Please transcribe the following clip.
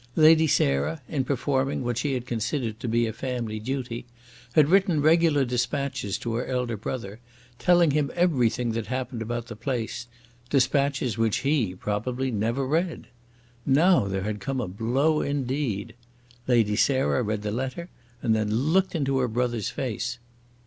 Lady Sarah, in performing what she had considered to be a family duty, had written regular despatches to her elder brother, telling him everything that happened about the place, despatches which he, probably, never read. Now there had come a blow indeed. Lady Sarah read the letter, and then looked into her brother's face.